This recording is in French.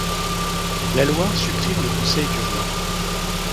La loi supprime le Conseil du roi.